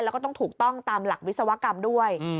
แล้วก็ต้องถูกต้องตามหลักวิศวกรรมด้วย